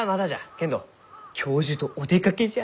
けんど教授とお出かけじゃ。